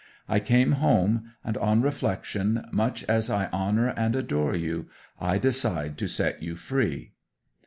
I came home; and, on reflection, much as I honour and adore you, I decide to set you free.